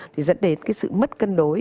thì dẫn đến cái sự mất cân đối